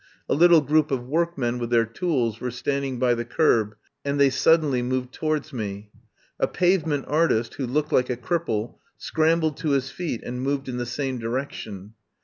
A little group of workmen with their tools were standing by the kerb, and they suddenly moved towards me. A pavement artist, who looked like a cripple, scrambled to his feet and moved in the same direction.